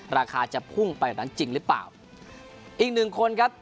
ราคาจะพุ่งไปแบบนั้นจริงหรือเปล่าอีกหนึ่งคนครับ